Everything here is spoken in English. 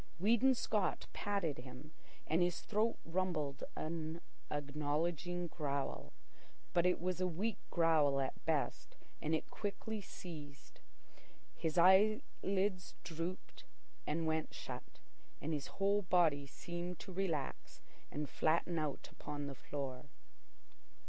Weedon Scott patted him, and his throat rumbled an acknowledging growl. But it was a weak growl at best, and it quickly ceased. His eyelids drooped and went shut, and his whole body seemed to relax and flatten out upon the floor.